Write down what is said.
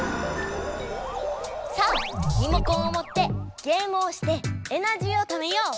さあリモコンをもってゲームをしてエナジーをためよう！